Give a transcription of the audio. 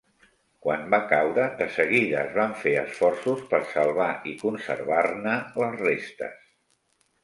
Quan va caure, de seguida es van fer esforços per salvar i conservar-ne les restes.